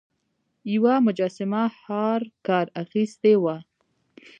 یوه مجسمه هارکر اخیستې وه.